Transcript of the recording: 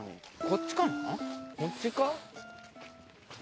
こっちか？